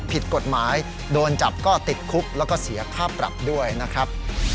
ผิดกฎหมายโดนจับก็ติดคุกแล้วก็เสียค่าปรับด้วยนะครับ